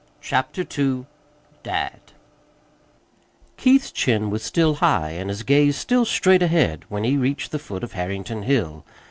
CHAPTER II DAD Keith's chin was still high and his gaze still straight ahead when he reached the foot of Harrington Hill.